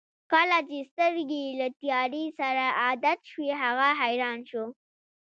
کله چې سترګې یې له تیارې سره عادت شوې هغه حیران شو.